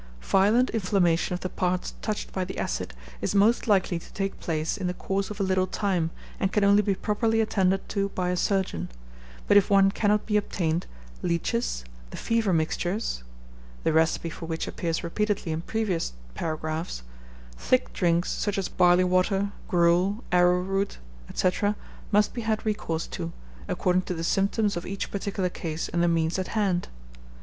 Violent inflammation of the parts touched by the acid is most likely to take place in the coarse of a little time, and can only be properly attended to by a surgeon; but if one cannot be obtained, leeches, the fever mixtures (the recipe for which appears repeatedly in previous paragraphs), thick drinks, such as barley water, gruel, arrowroot, &c., must be had recourse to, according to the symptoms of each particular case and the means at hand.